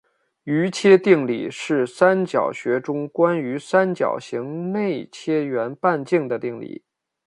余切定理是三角学中关于三角形内切圆半径的定理。